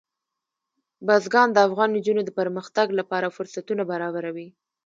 بزګان د افغان نجونو د پرمختګ لپاره فرصتونه برابروي.